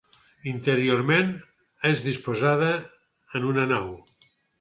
Interiorment és disposada en una nau.